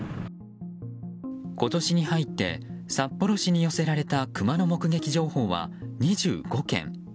今年に入って札幌市に寄せられたクマの目撃情報は２５件。